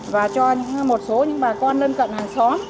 và cho một số những bà con lân cận hàng xóm